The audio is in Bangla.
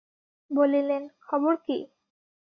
বলিলেন, খবর কী?